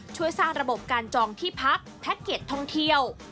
ช่วยสร้างระบบการจองที่พักแพ็คเก็ตท่องเที่ยว